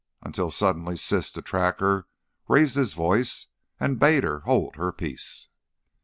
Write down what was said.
Until suddenly Siss the Tracker raised his voice and bade her hold her peace.